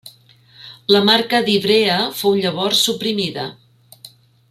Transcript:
La marca d'Ivrea fou llavors suprimida.